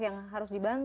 yang harus dibantu ya